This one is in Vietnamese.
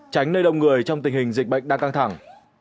tránh nơi đông người trong tình hình dịch bệnh đang căng thẳng